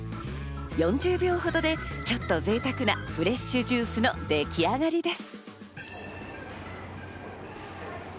４０秒ほどでちょっと贅沢なフレッシュジュースのでき上がりです。